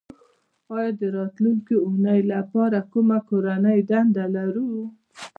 ایا د راتلونکې اونۍ لپاره کومه کورنۍ دنده لرو